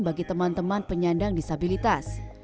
bagi teman teman penyandang disabilitas